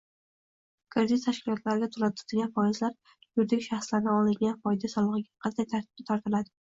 Kredit tashkilotlariga to‘lanadigan foizlar yuridik shaxslardan olinadigan foyda solig‘iga qanday tartibda tortiladi?